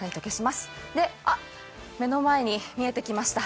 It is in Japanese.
あ、目の前に見えてきました。